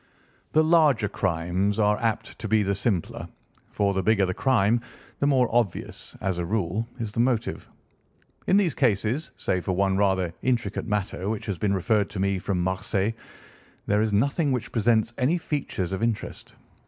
The larger crimes are apt to be the simpler, for the bigger the crime the more obvious, as a rule, is the motive. In these cases, save for one rather intricate matter which has been referred to me from Marseilles, there is nothing which presents any features of interest.